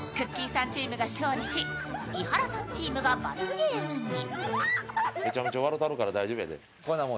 さんチームが勝利し、伊原さんチームが罰ゲームに。